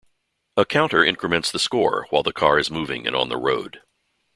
A counter increments the score while the car is moving and on the road.